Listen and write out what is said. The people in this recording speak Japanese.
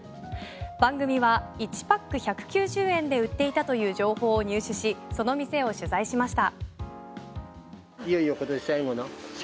番組は１パック１９０円で売っていたという情報を入手しその店を取材しました。